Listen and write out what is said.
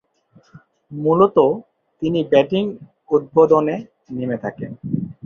মূলতঃ তিনি ব্যাটিং উদ্বোধনে নেমে থাকেন।